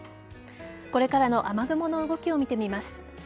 これからの雨雲の動きを見てみます。